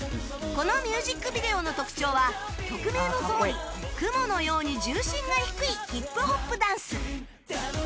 このミュージックビデオの特徴は曲名のとおりクモのように重心が低いヒップホップダンス